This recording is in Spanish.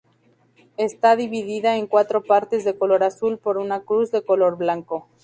Está dividida en cuatro partes de color azul por una cruz de color blanco.